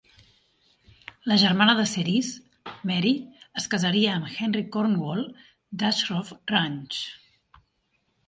La germana de Cerise, Mary, es casaria amb Henry Cornwall, d'Ashcroft Ranch.